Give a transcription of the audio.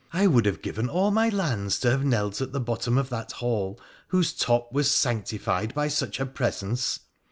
' I would have given all my lands to have knelt at the bottom of that hall whose top was sanctified by such a presence.'